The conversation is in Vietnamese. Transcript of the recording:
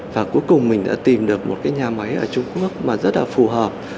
và cuối cùng mình đã tìm được một cái nhà máy ở trung quốc mà rất là phù hợp